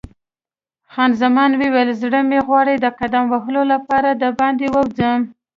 خان زمان وویل: زړه مې غواړي د قدم وهلو لپاره باندې ووځو.